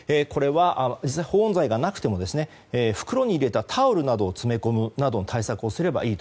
実際、保温材がなくても袋に入れたタオルなどを詰め込むなどの対策をすればいいと。